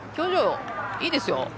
いいですよ。